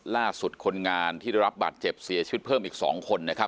ล่าสุดคนงานที่ได้รับบาดเจ็บเสียชีวิตเพิ่มอีก๒คน